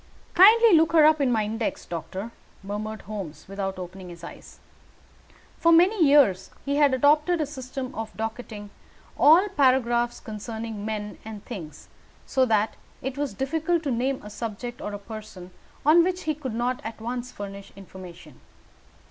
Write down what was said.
"Kindly look her up in my index, doctor," murmured Holmes, without opening his eyes. For many years he had adopted a system for docketing all paragraphs concerning men and things, so that it was difficult to name a subject or a person on which he could not at once furnish information.